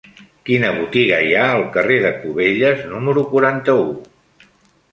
Quina botiga hi ha al carrer de Cubelles número quaranta-u?